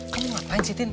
kamu ngapain sih tin